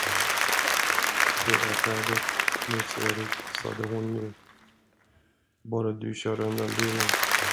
Det är färdigt, Nils Erik, sade hon nu, bara du kör undan bilen.